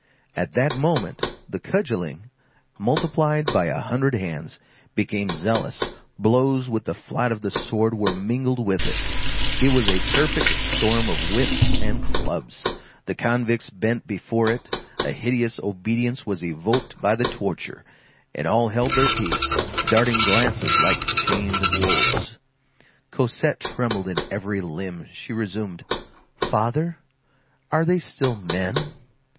At that moment, the cudgelling, multiplied by a hundred hands, became zealous, blows with the flat of the sword were mingled with it, it was a perfect storm of whips and clubs; the convicts bent before it, a hideous obedience was evoked by the torture, and all held their peace, darting glances like chained wolves. Cosette trembled in every limb; she resumed:— "Father, are they still men?"